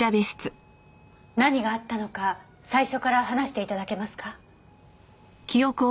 何があったのか最初から話して頂けますか？